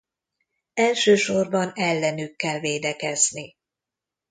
Elsősorban ellenük kell védekezni.